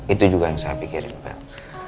itu juga yang saya pikirin vel